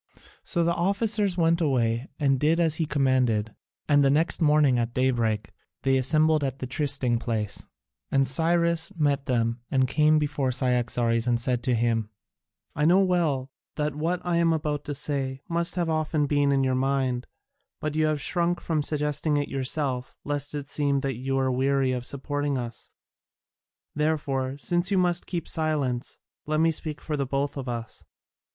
So the officers went away and did as he commanded, and the next morning at daybreak they assembled at the trysting place, and Cyrus met them and came before Cyaxares and said to him: "I know well that what I am about to say must often have been in your own mind, but you have shrunk from suggesting it yourself lest it seem that you were weary of supporting us. Therefore since you must keep silence, let me speak for both of us.